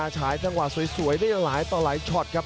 ฉายจังหวะสวยได้หลายต่อหลายช็อตครับ